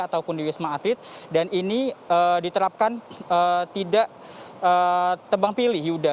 ataupun di wisma atlet dan ini diterapkan tidak tebang pilih yuda